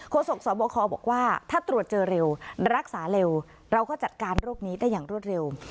สกสบคบอกว่าถ้าตรวจเจอเร็วรักษาเร็วเราก็จัดการโรคนี้ได้อย่างรวดเร็ว